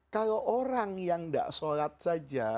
kalau orang yang tidak sholat saja